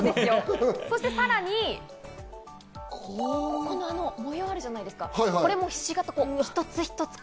そしてさらに、この模様があるじゃないですか、これを一つ一つ